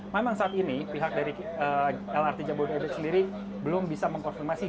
memang saat ini pihak dari lrt jabodetabek sendiri belum bisa mengkonfirmasi